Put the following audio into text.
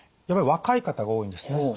やっぱり若い方が多いんですね。